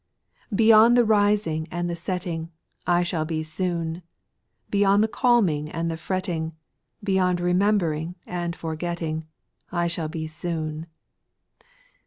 Beyond the rising and the setting, I shall be soon ; Beyond the calming and the fretting, Beyond remembering and forgetting, I shall be soon.